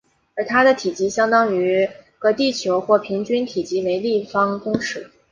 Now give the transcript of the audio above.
而它的体积相当于个地球或平均体积为立方公尺。